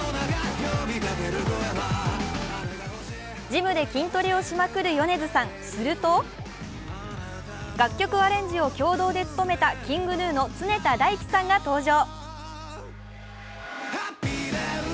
事務で筋トレをしまくる米津さん、すると楽曲アレンジを共同で務めたＫｉｎｇＧｎｕの常田大希さんが登場。